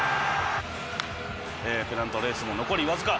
ペナントレースも残りわずか。